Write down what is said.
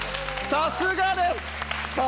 さすがです。